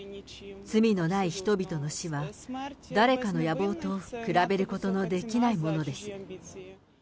罪のない人々の死は、誰かの野望と比べることのできないものです。